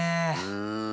うん。